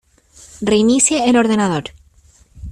Reinicie el ordenador.